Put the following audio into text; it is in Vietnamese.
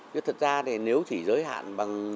nhưng thật ra nếu chỉ giới hạn bằng